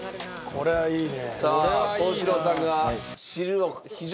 これはいいね。